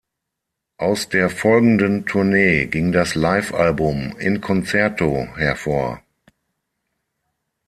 Aus der folgenden Tournee ging das Livealbum "In concerto" hervor.